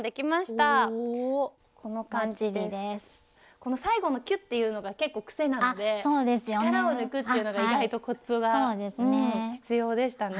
この最後のキュッていうのが結構癖なので力を抜くっていうのが意外とコツが必要でしたね。